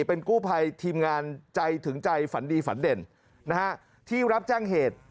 เป็นกู้ภัยทีมงานใจถึงใจฝันดีฝันเด่นนะฮะที่รับแจ้งเหตุ